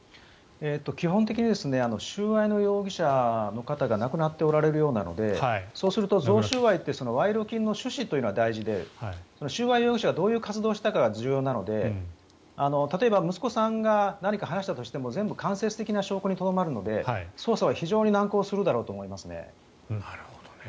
基本的に収賄の容疑者の方が亡くなっておられるようなのでそうすると贈収賄って賄賂金の趣旨が大事で収賄容疑者がどういう活動したかが重要なので、例えば息子さんが何か話したとしても全部間接的な証拠にとどまるので捜査は非常に難航するだろうと思いますね。